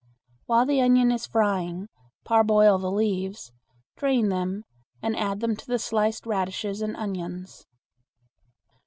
While the onion is frying, parboil the leaves, drain them, and add them to the sliced radishes and onions.